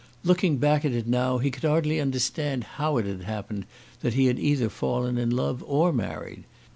Looking back at it now, he could hardly understand how it had happened that he had either fallen in love or married.